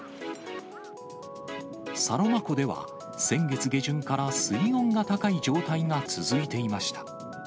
サロマ湖では先月下旬から水温が高い状態が続いていました。